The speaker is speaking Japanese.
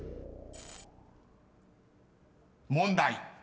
［問題］